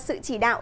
sự chỉ đạo